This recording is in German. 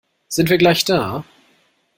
Sind wir gleich da?